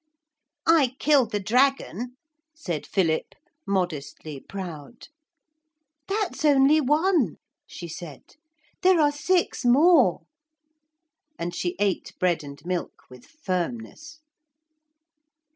'I killed the dragon,' said Philip, modestly proud. 'That's only one,' she said; 'there are six more.' And she ate bread and milk with firmness.